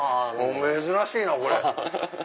珍しいなこれ。